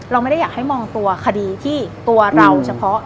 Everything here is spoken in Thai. เราไม่ได้อยากให้มองตัวคดีที่ตัวเราเฉพาะ